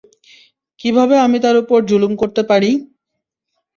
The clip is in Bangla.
কিভাবে আমি তার উপর যুলুম করতে পারি?